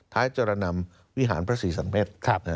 ท้ายจรนำวิหารพระศรีสันเพศ